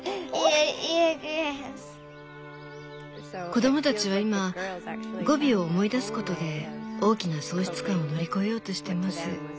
子供たちは今ゴビを思い出すことで大きな喪失感を乗り越えようとしています。